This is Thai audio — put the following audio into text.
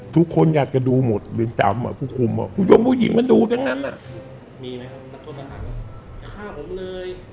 ทุกคนอยากจะดูหมดเรียนจำคุณคุมว่ายมผู้หญิงมาดูตั้งนั้น